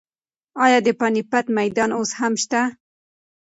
ایا د پاني پت میدان اوس هم شته؟